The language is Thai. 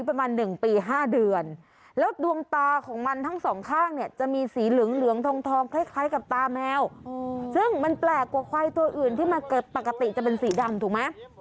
ซึ่งมันแปลกกว่าควายตัวอื่นที่มันปกติจะเป็นสีดำถูกไหม